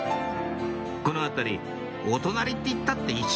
この辺りお隣って言ったって